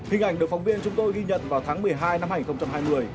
hình ảnh được phóng viên chúng tôi ghi nhận vào tháng một mươi hai năm hai nghìn hai mươi